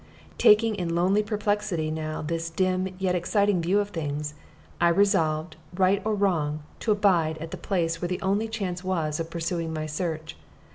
Taking in lonely perplexity now this dim yet exciting view of things, I resolved, right or wrong, to abide at the place where the only chance was of pursuing my search.